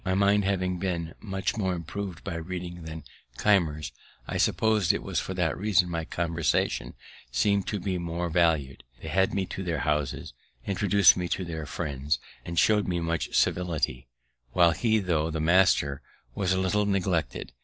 My mind having been much more improv'd by reading than Keimer's, I suppose it was for that reason my conversation seem'd to be more valu'd. They had me to their houses, introduced me to their friends, and show'd me much civility; while he, tho' the master, was a little neglected.